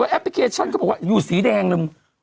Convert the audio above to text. และแอปพลิเคชันเค้าบอกว่าอยู่ทางสีแดงเลย